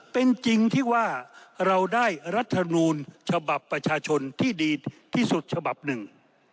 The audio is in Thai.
เป็นจริงที่ว่าเราได้รัฐมนูลฉบับประชาชนที่ดีที่สุดฉบับหนึ่ง